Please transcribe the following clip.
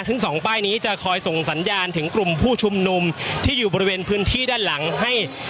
ซึ่งสองป้ายนี้จะคอยส่งสัญญาณถึงกลุ่มผู้ชุมนุมที่อยู่บริเวณพื้นที่ด้านหลังให้